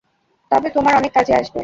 তবে তোমার অনেক কাজে আসবে।